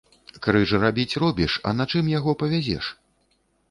Крыж рабіць робіш, а на чым яго павязеш?